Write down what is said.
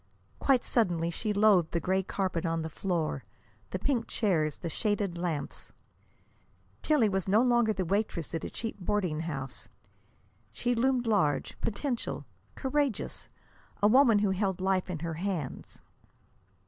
Quite suddenly she loathed the gray carpet on the floor, the pink chairs, the shaded lamps. Tillie was no longer the waitress at a cheap boarding house. She loomed large, potential, courageous, a woman who held life in her hands.